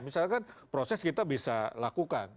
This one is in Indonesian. misalkan proses kita bisa lakukan